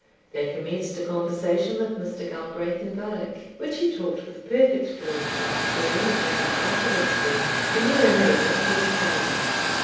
They commenced a conversation with Mr. Galbraith in Gaelic, which he talked with perfect fluency, being, as I afterwards learned, a near neighbour to the Highlands.